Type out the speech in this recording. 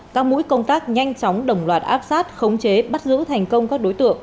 các mũi công tác nhanh chóng đồng loạt áp sát khống chế bắt giữ thành công các đối tượng